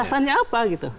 alasannya apa gitu